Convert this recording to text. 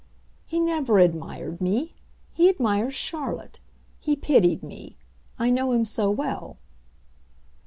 "He never admired me. He admires Charlotte; he pitied me. I know him so well."